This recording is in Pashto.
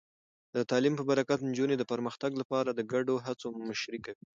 د تعلیم په برکت، نجونې د پرمختګ لپاره د ګډو هڅو مشري کوي.